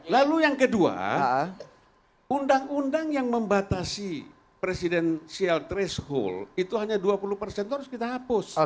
lalu yang kedua undang undang yang membatasi presidensial threshold itu hanya dua puluh persen itu harus kita hapus